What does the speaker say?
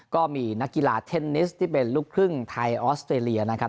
ก็มีนักกีฬาเทนนิสที่เป็นลูกครึ่งไทยออสเตรเลียนะครับ